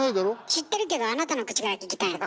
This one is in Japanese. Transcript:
知ってるけどあなたの口から聞きたいの。